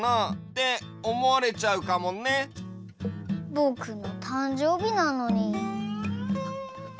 ぼくのたんじょうびなのに。